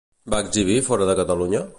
Va exhibir fora de Catalunya?